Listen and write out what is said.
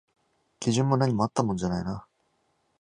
基準も何もあったもんじゃないな